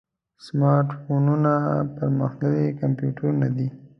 سمارټ فونونه پرمختللي کمپیوټرونه دي.